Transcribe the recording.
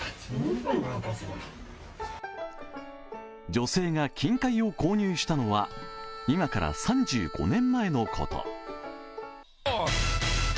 女性が金塊を購入したのは、今から３５年前のこと。